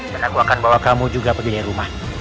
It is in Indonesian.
dan aku akan bawa kamu juga pergi dari rumah